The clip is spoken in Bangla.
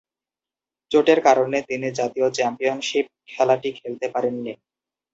চোটের কারণে তিনি জাতীয় চ্যাম্পিয়নশিপ খেলাটি খেলতে পারেননি।